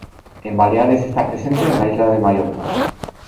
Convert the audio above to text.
En Baleares está presente en la isla de Mallorca.